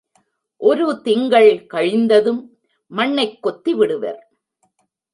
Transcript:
ஒரு திங்கள் கழிந்ததும், மண்ணைக் கொத்தி விடுவர்.